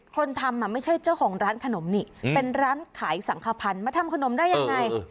คนทำไม่ใช่เจ้าของร้านขนมนี่เป็นร้านขายสังขพันธ์มาทำขนมได้ยังไง